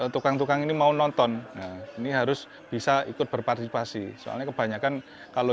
tukang tukang ini mau nonton ini harus bisa ikut berpartisipasi soalnya kebanyakan kalau